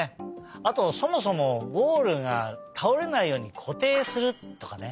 あとそもそもゴールがたおれないようにこていするとかね。